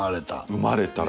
生まれたら。